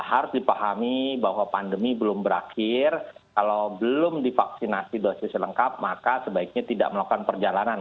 harus dipahami bahwa pandemi belum berakhir kalau belum divaksinasi dosis lengkap maka sebaiknya tidak melakukan perjalanan